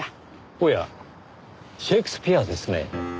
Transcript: おやシェイクスピアですね。